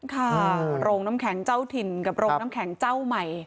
ค่ะโรงน้ำแข็งเจ้าถิ่นกับโรงน้ำแข็งเจ้าใหม่